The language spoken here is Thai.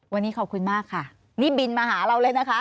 วันนี้ขอบคุณมากค่ะนี่บินมาหาเราเลยนะคะ